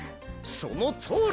そのとおり！